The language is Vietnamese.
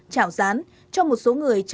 trảo rán cho một số người